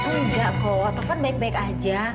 tidak po kata tuhan baik baik saja